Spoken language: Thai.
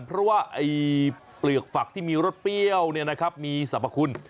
เพราะว่าไอ้เปลือกฝักที่มีรสเปี้ยวเนี่ยนะครับมีสรรพคุณ